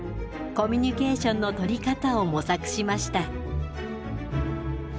コミュニケーションの取り方を模索しました。